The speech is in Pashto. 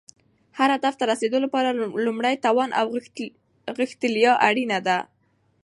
هر هدف ته رسیدو لپاره لومړی توان او غښتلتیا اړینه ده.